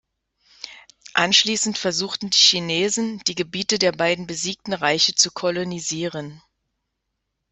Anschließend versuchten die Chinesen, die Gebiete der beiden besiegten Reiche zu kolonisieren.